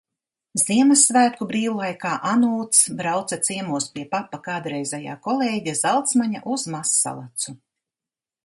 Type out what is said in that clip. Ziemassvētku brīvlaikā Anūts brauca ciemos pie papa kādreizējā kolēģa, Zalcmaņa, uz Mazsalacu.